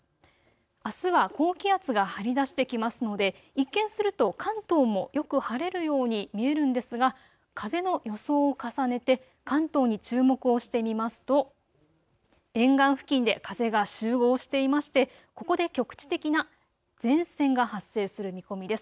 あすは高気圧が張り出してきますので一見すると関東もよく晴れるように見えるんですが風の予想を重ねて関東に注目をしてみますと沿岸付近で風が集合していましてここで局地的な前線が発生する見込みです。